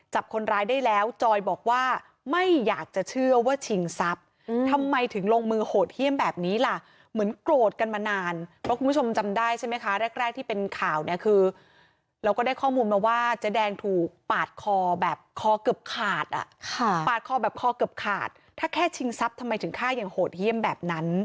จับคนร้ายได้แล้วจอยบอกว่าไม่อยากจะเชื่อว่าชิงทรัพย์ทำไมถึงลงมือโหดเยี่ยมแบบนี้ล่ะเหมือนโกรธกันมานานเพราะคุณผู้ชมจำได้ใช่ไหมคะแรกแรกที่เป็นข่าวเนี่ยคือเราก็ได้ข้อมูลมาว่าเจ๊แดงถูกปาดคอแบบคอเกือบขาดอ่ะค่ะปาดคอแบบคอเกือบขาดถ้าแค่ชิงทรัพย์ทำไมถึงฆ่าอย่างโหดเยี่ยมแบบนั้น